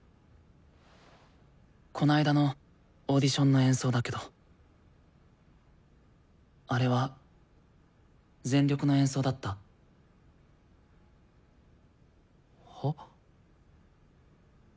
この間のオーディションの演奏だけどあれは全力の演奏だった？は？